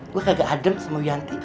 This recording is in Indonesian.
gue kagak adem sama yanti